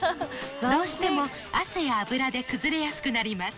どうしても汗や脂で崩れやすくなります。